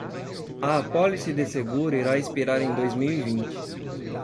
A apólice de seguro irá expirar em dois mil e vinte.